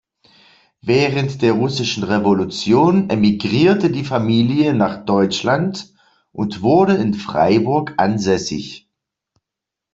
Während der russischen Revolution emigrierte die Familie nach Deutschland und wurde in Freiburg ansässig.